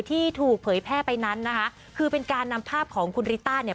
ที่ถูกเผยแพร่ไปนั้นนะคะคือเป็นการนำภาพของคุณริต้าเนี่ย